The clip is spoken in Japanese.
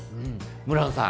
村野さん